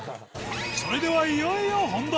それではいよいよ本題！